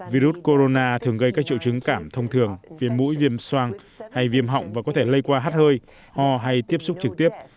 virus corona thường gây các triệu chứng cảm thông thường viêm mũi viêm soang hay viêm họng và có thể lây qua hát hơi ho hay tiếp xúc trực tiếp